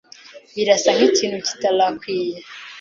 Birasa nkikintu kitarakwiye.